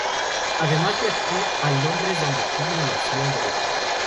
Además viajó a Londres donde obtuvo una Maestría en Derecho.